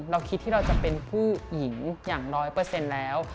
เราคิดที่เราจะเป็นผู้หญิงอย่าง๑๐๐แล้ว